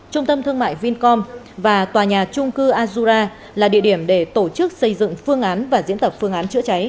trung tâm thương mại vincom và tòa nhà trung cư azura là địa điểm để tổ chức xây dựng phương án và diễn tập phương án chữa cháy